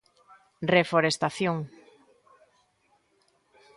Reforestación.